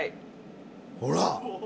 ほら！